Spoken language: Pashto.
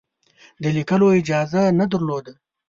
د لیکلو اجازه نه درلوده.